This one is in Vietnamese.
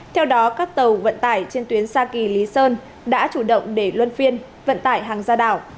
theo đó các tàu vận tải trên tuyến xa kỳ lý sơn đã chủ động để luân phiên vận tải hàng ra đảo